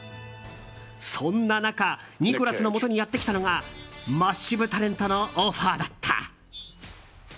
そんな中、ニコラスのもとにやってきたのが「マッシブ・タレント」のオファーだった。